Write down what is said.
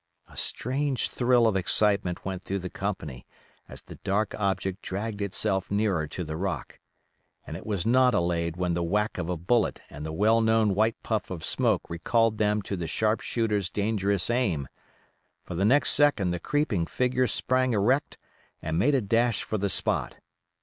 A strange thrill of excitement went through the company as the dark object dragged itself nearer to the rock, and it was not allayed when the whack of a bullet and the well known white puff of smoke recalled them to the sharp shooter's dangerous aim; for the next second the creeping figure sprang erect and made a dash for the spot.